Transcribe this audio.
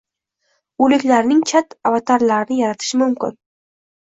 Oʻliklarning chat-avatarlarini yaratish mumkin